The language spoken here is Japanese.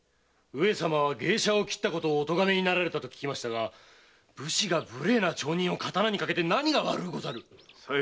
上様は芸者を斬ったことをお咎めになったと聞きましたが武士が無礼な町人を刀にかけて何が悪うござる？